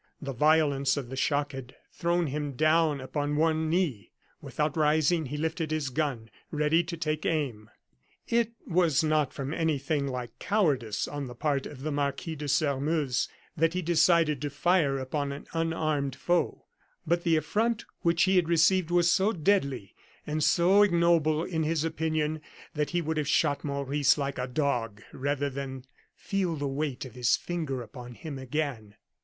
The violence of the shock had thrown him down upon one knee; without rising, he lifted his gun, ready to take aim. It was not from anything like cowardice on the part of the Marquis de Sairmeuse that he decided to fire upon an unarmed foe; but the affront which he had received was so deadly and so ignoble in his opinion, that he would have shot Maurice like a dog, rather than feel the weight of his finger upon him again.